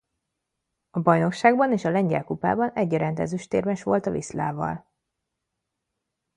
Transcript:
A bajnokságban és a Lengyel Kupában egyaránt ezüstérmes volt a Wislával.